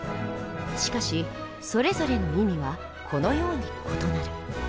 しかしそれぞれの意味はこのように異なる。